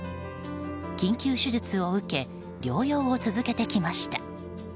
緊急手術を受け療養を続けてきました。